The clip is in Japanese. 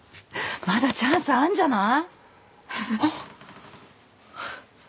まだチャンスあんじゃない？